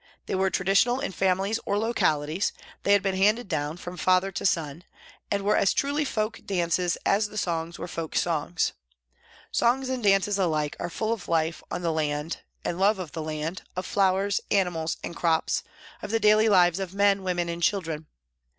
They were traditional in families or locali ties, they had been handed down from father to son, and were as truly folk dances as the songs were folk songs. Songs and dances alike are full of life on the 8 PRISONS AND PRISONERS land and love of the land, of flowers, animals and crops, of the daily lives of men, women and children.